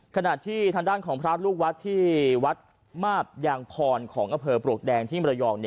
ขณะที่ทางด้านของพระลูกวัดที่วัดมาบยางพรของอำเภอปลวกแดงที่มรยอง